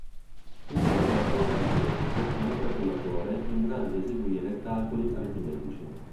Un calcolatore aritmetico è un calcolatore in grado di eseguire calcoli aritmetici.